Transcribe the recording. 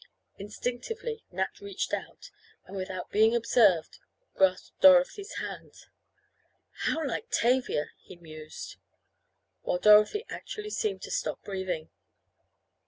Instinctively Nat reached out and, without being observed grasped Dorothy's hand. "How like Tavia!" he mused, while Dorothy actually seemed to stop breathing.